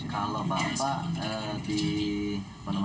kalau bapak di kapal sebagai apa